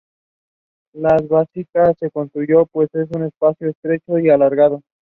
La basílica se construyó, pues, en un espacio estrecho y alargado.